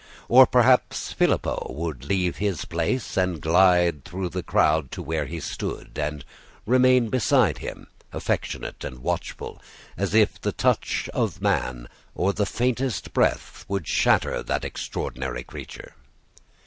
Or perhaps Filippo would leave his place and glide through the crowd to where he stood, and remain beside him, affectionate and watchful, as if the touch of man, or the faintest breath, would shatter that extraordinary creature.